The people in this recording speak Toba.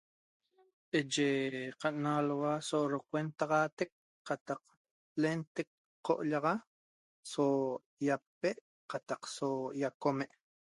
Enye qan alua so ro cuentaxateq qataq lenteq co'ollaxa so iape' qataq so iaqome